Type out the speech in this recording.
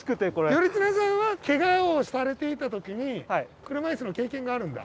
頼綱さんはけがをされていた時に車いすの経験があるんだ。